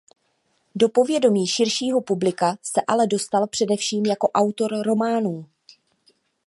Do povědomí širšího publika se ale dostal především jako autor románů.